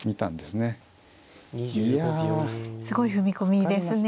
すごい踏み込みですね。